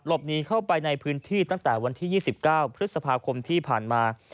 หนีเข้าไปในพื้นที่ตั้งแต่วันที่๒๙พฤษภาคมที่ผ่านมา